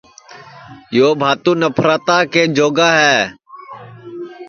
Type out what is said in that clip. یو بھاتو نپھرتا کے جوگا ہے